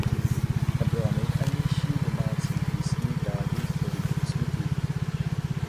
Ta byla nejhranější domácí písní v rádiích po dobu osmi týdnů.